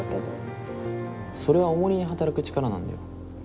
それはおもりに働く力なんだよ。